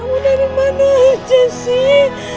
mau dari mana aja sih